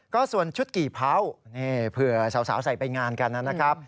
ก็ส่วนชุดกี่เผาเผื่อสาวใส่ไปงานกันนะครับ